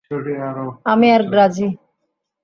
আমি আর গ্রাজি?